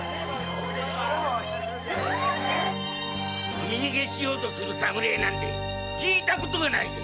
飲み逃げしようとする侍なんて聞いたことがないぜ！